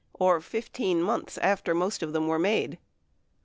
or 15 months after most of them were made.